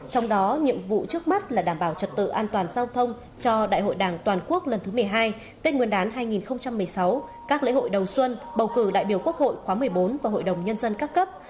trong đó nhiệm vụ trước mắt là đảm bảo trật tự an toàn giao thông cho đại hội đảng toàn quốc lần thứ một mươi hai tết nguyên đán hai nghìn một mươi sáu các lễ hội đầu xuân bầu cử đại biểu quốc hội khóa một mươi bốn và hội đồng nhân dân các cấp